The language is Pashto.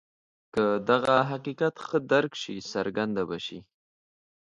که دغه حقیقت ښه درک شي څرګنده به شي.